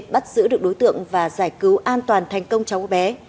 bắt giữ được đối tượng và giải cứu an toàn thành công cháu bé